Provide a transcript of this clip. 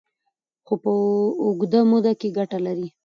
خو په اوږده موده کې ګټه لري.